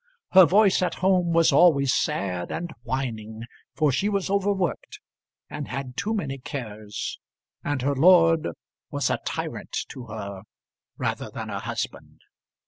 Her voice at home was always sad and whining, for she was overworked, and had too many cares, and her lord was a tyrant to her rather than a husband.